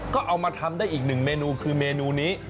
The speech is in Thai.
ก็เอามาทำได้อีกหนึ่งเมนูคือเมนูนี้